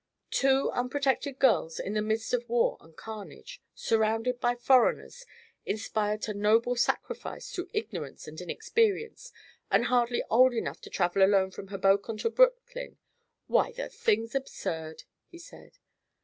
"Two unprotected girls in the midst of war and carnage, surrounded by foreigners, inspired to noble sacrifice through ignorance and inexperience, and hardly old enough to travel alone from Hoboken to Brooklyn! Why, the thing's absurd," he said.